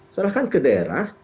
serahkan ke daerah